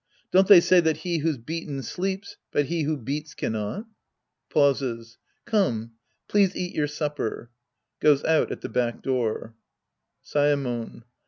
Don't they say that he who's beaten sleeps, but he who beats cannot ? {Pauses.) Come, please eat your supper. (J^oes out at the back door.) Saemon.